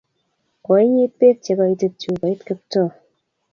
Koinyit pek che koitit chupoit Kiptoo